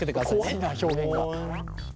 怖いな表現が。